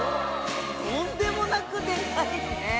とんでもなくでかいね！